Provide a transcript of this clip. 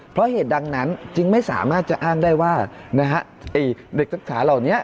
เพราะเหตุดังนั้นจริงไม่สามารถจะอ้างได้ว่าเด็กศักดิ์ศาสตร์เหล่านี้